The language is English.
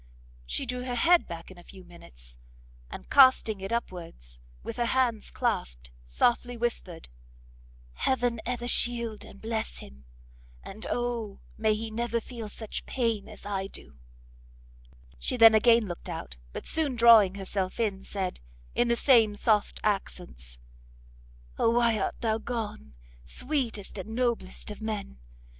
She drew her head back in a few minutes, and casting it upwards, with her hands clasped, softly whispered, "Heaven ever shield and bless him! and O may he never feel such pain as I do!" She then again looked out, but soon drawing herself in, said, in the same soft accents, "Oh why art thou gone! sweetest and noblest of men!